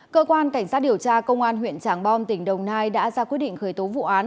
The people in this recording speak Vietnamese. cơ quan cảnh sát điều tra công an huyện tràng bom tỉnh đồng nai đã ra quyết định khởi tố vụ án